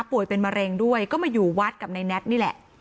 เป็นมะเร็งด้วยก็มาอยู่วัดกับในแน็ตนี่แหละ